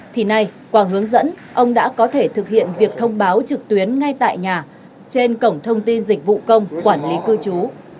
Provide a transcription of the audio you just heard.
thì nay qua hướng dẫn ông đã có thể thực hiện việc thông báo trực tuyến ngay tại nhà trên cổng thông tin dịch vụ công quản lý cư trú